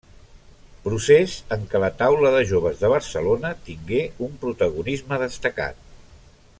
Procés en què la Taula de Joves de Barcelona tingué un protagonisme destacat.